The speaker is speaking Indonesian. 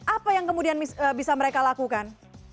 apa yang kemudian bisa mereka lakukan